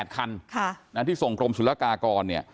๓๖๘คันที่ส่งกรมจุดรัฐกรกร